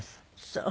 そう。